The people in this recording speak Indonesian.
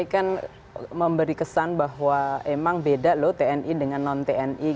ini kan memberi kesan bahwa emang beda loh tni dengan non tni